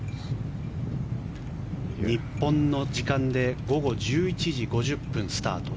日本の時間で午後１１時５０分スタート。